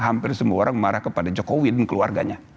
hampir semua orang marah kepada jokowi dan keluarganya